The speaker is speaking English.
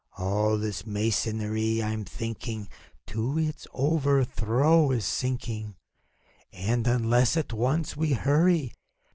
All this masonry, I'm thinking, To its overthrow is sinking; And, unless at once we hurry.